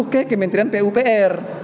ke kementerian pupr